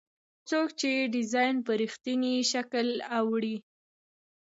څوک چې ډیزاین په رښتیني شکل اړوي.